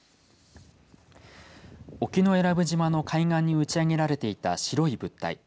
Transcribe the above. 沖永良部島の海岸に打ち上げられていた白い物体。